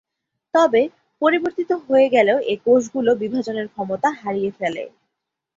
তবে পরিবর্তিত হয়ে গেলে এ কোষগুলো বিভাজনের ক্ষমতা হারিয়ে ফেলে।